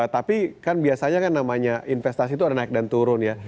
tapi kan biasanya kan namanya investasi itu ada naik dan turun ya